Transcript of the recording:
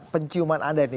penciuman anda ini